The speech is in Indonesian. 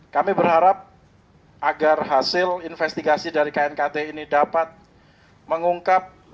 kami berharap agar hasil investigasi dari knkt ini dapat mengungkap